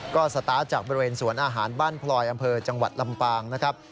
ก็สตาร์ทจากบริเวณสวนอาหารบ้านพลอยอำเภอจังหวัดลำปางนะครับ